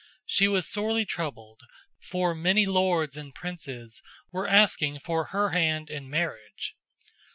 She was sorely troubled, for many lords and princes were asking for her hand in marriage.